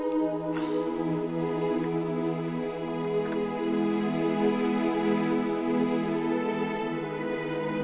yang pertama gue kasih